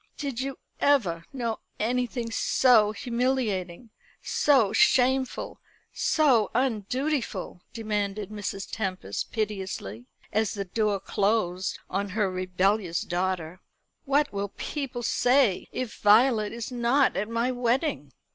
"Did you ever know anything so humiliating, so shameful, so undutiful?" demanded Mrs. Tempest piteously, as the door closed on her rebellious daughter. "What will people say if Violet is not at my wedding?"